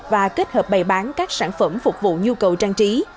và kết hợp bày bán các sản phẩm phục vụ nhu cầu trang trí